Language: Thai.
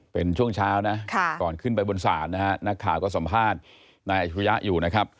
เป็นช่วงเช้านะก่อนขึ้นไปบนศาลนะฮะนักข่าวก็สัมภาษณ์นายอัชรุยะอยู่นะครับ